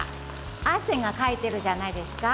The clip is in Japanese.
汗をかいているじゃないですか。